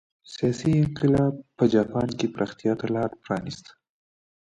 سیاسي انقلاب په جاپان کې پراختیا ته لار پرانېسته.